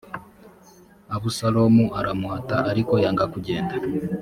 abusalomu aramuhata ariko yanga kugenda